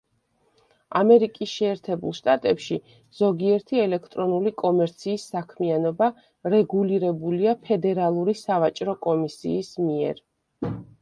ამერიკის შეერთებულ შტატებში ზოგიერთი ელექტრონული კომერციის საქმიანობა რეგულირებულია ფედერალური სავაჭრო კომისიის მიერ.